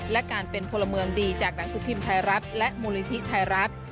และการเป็นพลเมืองดีจากหนังสือพิมพ์ไทยรัฐและมูลนิธิไทยรัฐ